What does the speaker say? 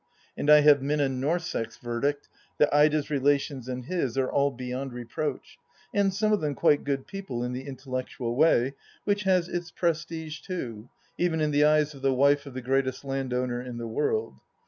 And I have Minna Norssex' verdict that Ida's relations and his are all beyond reproach, and some of them quite good people in the intellectual way, which has its prestige too, even in the eyes of the wife of the greatest landowner in the world.